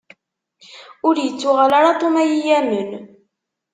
Ur ittuɣal ara Tom ad yi-yamen.